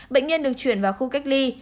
bệnh nhân được chuyển vào khu cách ly